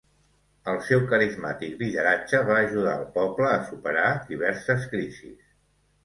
El seu carismàtic lideratge va ajudar el poble a superar diverses crisis.